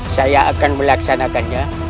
saya akan melaksanakannya